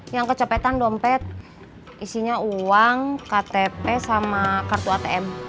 yang kecopetan dompet isinya uang ktp sama kartu atm